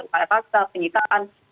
upaya pasal penyitaan